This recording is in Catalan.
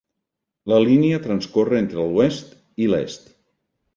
La línia transcorre entre l'oest i l'est.